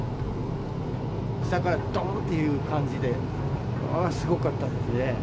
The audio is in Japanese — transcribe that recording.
下からどーんっていう感じで、すごかったですね。